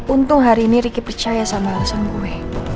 untung hari ini ricky percaya sama langsung gue